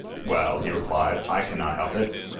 "Well," he replied, "I cannot help it."